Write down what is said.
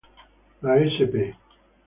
La sp.